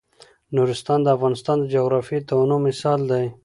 نورستان د افغانستان د جغرافیوي تنوع مثال دی.